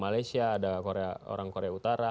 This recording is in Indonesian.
malaysia ada orang korea utara